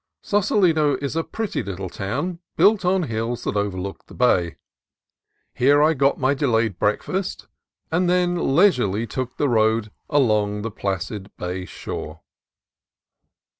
Sausalito is a pretty little town built on hills that overlook the bay. Here I got my delayed breakfast, and then leisurely took the road along the placid bay shore.